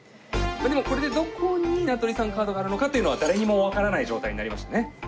でもこれでどこに名取さんのカードがあるのかっていうのは誰にもわからない状態になりましたね。